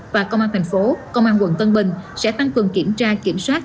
và công an thành phố công an quận tân bình sẽ tăng cường kiểm tra kiểm soát